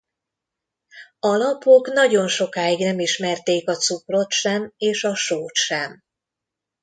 A lappok nagyon sokáig nem ismerték a cukrot sem és a sót sem.